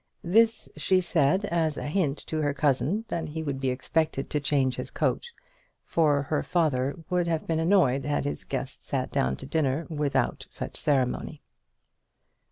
This she said as a hint to her cousin that he would be expected to change his coat, for her father would have been annoyed had his guest sat down to dinner without such ceremony.